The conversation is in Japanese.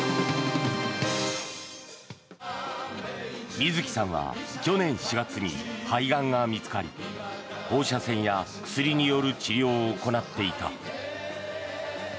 水木さんは去年４月に肺がんが見つかり放射線や薬による治療を行っていた。